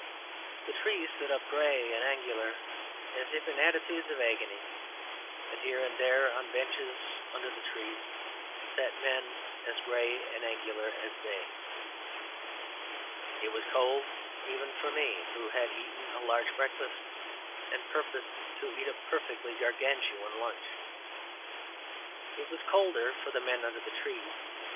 The trees stood up grey and angular, as if in attitudes of agony; and here and there on benches under the trees sat men as grey and angular as they. It was cold even for me, who had eaten a large breakfast and purposed to eat a perfectly Gargantuan lunch; it was colder for the men under the trees.